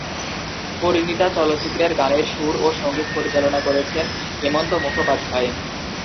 পরিণীতা চলচ্চিত্রের গানের সুর ও সঙ্গীত পরিচালনা করেছেন হেমন্ত মুখোপাধ্যায়।